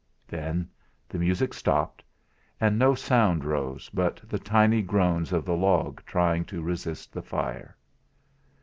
Then the music stopped; and no sound rose but the tiny groans of the log trying to resist the fire.